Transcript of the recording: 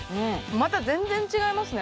また全然違いますね。